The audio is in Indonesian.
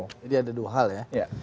ada dua hal ya